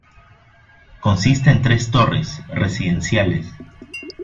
Consiste en Tres torres, residenciales.